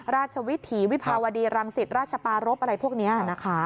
ราชวิถีวิภาวดีรังสิตราชปารพอะไรพวกนี้นะคะ